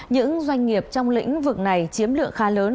những doanh nghiệp trong lĩnh vực này chiếm lượng khá lớn